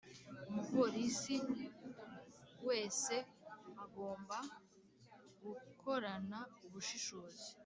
Umupolisi wese agomba gukorana ubushishozi